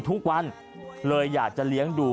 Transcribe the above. ทุกวันเลยอยากจะเลี้ยงดู